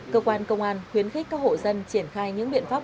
cơ quan công an khuyến khích các hộ dân triển khai những biện pháp